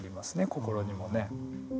心にもね。